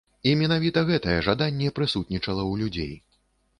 І менавіта гэтае жаданне прысутнічала ў людзей.